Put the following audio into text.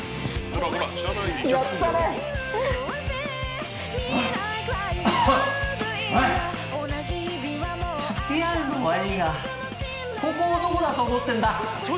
◆おい、つき合うのはいいが、ここをどこだと思ってんだ。